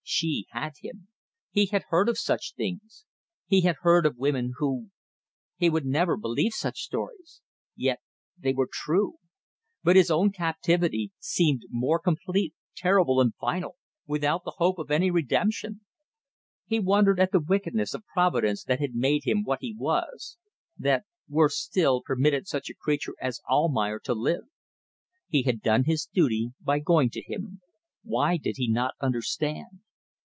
She had him. He had heard of such things. He had heard of women who ... He would never believe such stories. ... Yet they were true. But his own captivity seemed more complete, terrible, and final without the hope of any redemption. He wondered at the wickedness of Providence that had made him what he was; that, worse still, permitted such a creature as Almayer to live. He had done his duty by going to him. Why did he not understand?